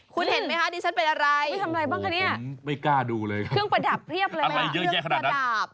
คุณเห็นไหมคะดิฉันเป็นอะไรโอ้โฮผมไม่กล้าดูเลยครับอะไรเยอะแยะขนาดนั้น